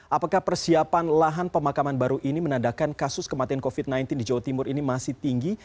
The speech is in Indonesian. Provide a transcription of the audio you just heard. apakah persiapan lahan pemakaman baru ini menandakan kasus kematian covid sembilan belas di jawa timur ini masih tinggi